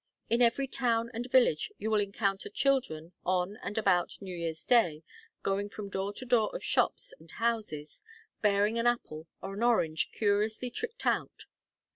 In every town and village you will encounter children, on and about New Year's Day, going from door to door of shops and houses, bearing an apple or an orange curiously tricked out.